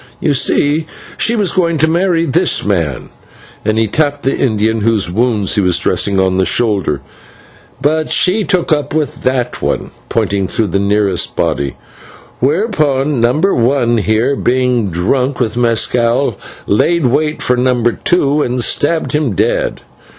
"You see, she was going to marry this man," and he tapped the Indian whose wounds he was dressing on the shoulder, "but she took up with that one," pointing to the nearest body, "whereon Number One here, being drunk with /mescal/, laid wait for Number Two and stabbed him dead.